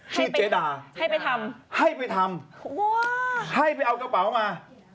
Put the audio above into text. ชื่อเจดาให้ไปทำให้ไปทำให้ไปเอากระเป๋ามา